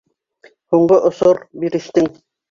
Һуңғы осор бирештең.